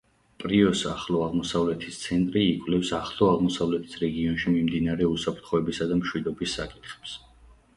პრიოს ახლო აღმოსავლეთის ცენტრი იკვლევს ახლო აღმოსავლეთის რეგიონში მიმდინარე უსაფრთხოებისა და მშვიდობის საკითხებს.